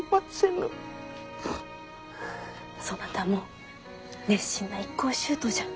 そなたも熱心な一向宗徒じゃ。